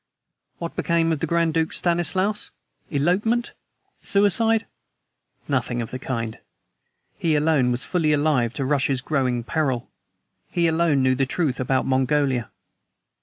What became of the Grand Duke Stanislaus? Elopement? Suicide? Nothing of the kind. He alone was fully alive to Russia's growing peril. He alone knew the truth about Mongolia.